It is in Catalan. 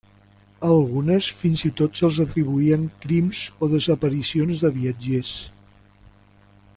A algunes, fins i tot, se'ls atribuïen crims o desaparicions de viatgers.